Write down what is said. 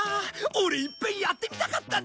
オレいっぺんやってみたかったんだ。